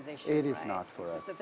karena teknologi ada di sana